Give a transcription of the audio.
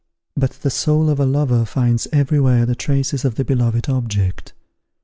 But the soul of a lover finds everywhere the traces of the beloved object.